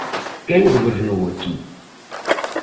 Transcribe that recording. Quen gobernou aquí?